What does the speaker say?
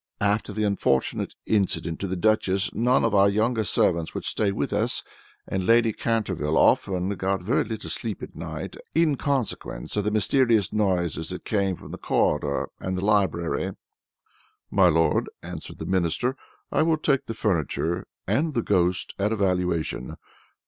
After the unfortunate accident to the Duchess, none of our younger servants would stay with us, and Lady Canterville often got very little sleep at night, in consequence of the mysterious noises that came from the corridor and the library." "My Lord," answered the Minister, "I will take the furniture and the ghost at a valuation.